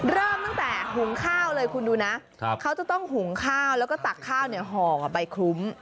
เริ่มตั้งแต่หุงข้าวเลยคุณดูนะเขาจะต้องหุงข้าวแล้วก็ตักข้าวเนี่ยห่อกับใบคลุ้ม